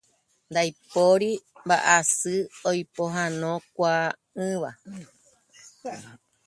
Ndaipóri mba'asy oipohãnokuaa'ỹva.